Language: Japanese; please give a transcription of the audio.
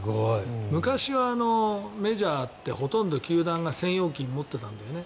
昔はメジャーってほとんど球団が専用機を持ってたんだよね。